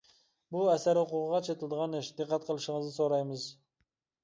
بۇ ئەسەر ھوقۇقىغا چېتىلىدىغان ئىش، دىققەت قىلىشىڭىزنى سورايمىز.